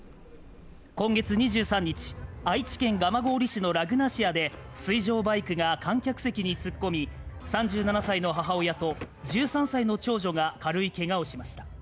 今月２３日愛知県蒲郡市のラグナシアで水上バイクが観客席に突っ込み３７歳の母親と１３歳の長女が軽いけがをしました